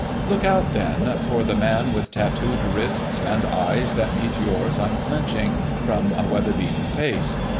Look out then for the man with tattooed wrists, and eyes that meet yours unflinching from a weather beaten face.